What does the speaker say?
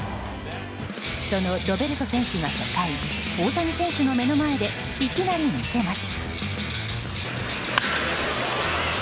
そのロベルト選手が初回大谷選手の目の前でいきなり見せます。